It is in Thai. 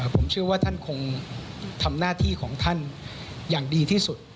ผมเชื่อว่าท่านคงทำหน้าที่ของท่านอย่างดีที่สุด